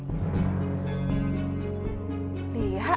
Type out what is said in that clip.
ibu tolong sikapin dong kotor tadi kena becek